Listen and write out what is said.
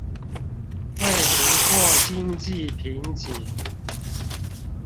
為突破經濟瓶頸